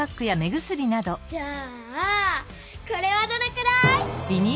じゃあこれはどれくらい？